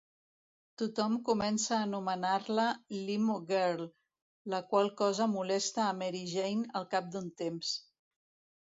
Tothom comença a anomenar-la "Limo Girl", la qual cosa molesta a Mary Jane al cap d'un temps.